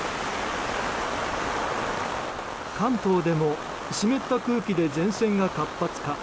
関東でも湿った空気で前線が活発化。